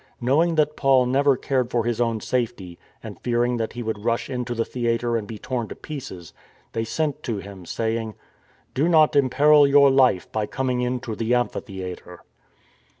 Knowing that Paul never cared for his own safety and fear ing that he would rush into the theatre and be torn to pieces, they sent to him saying :" Do not imperil your life by coming into the amphitheatre."